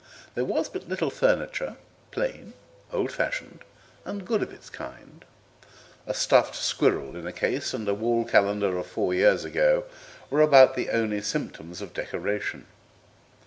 There was but little furniture, plain, old fashioned, and good of its kind; a stuffed squirrel in a case and a wall calendar of four years ago were about the only symptoms of decoration.